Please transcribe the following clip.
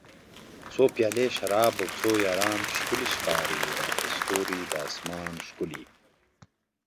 څو پیالۍ شراب او څو یاران ښکلي ښکاري راته ستوري د اسمان ښکلي